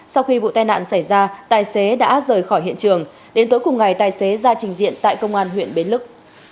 sau khi vụ tai nạn xảy ra tài xế đã rời khỏi hiện trường đến tối cùng ngày tài xế ra trình diện tại công an huyện bến lức